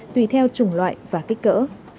tùy theo chủng loại và kích cỡ